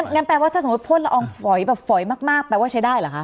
งั้นแปลว่าถ้าสมมุติพ่นละอองฝอยแบบฝอยมากแปลว่าใช้ได้เหรอคะ